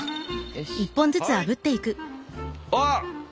あっ！